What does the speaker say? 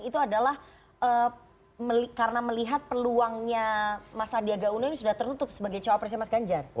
itu adalah karena melihat peluangnya mas sandiaga uno ini sudah tertutup sebagai cowok presnya mas ganjar